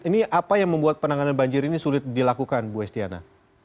ini apa yang membuat penanganan banjir ini sulit dilakukan bu estiana